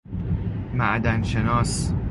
معدن شناس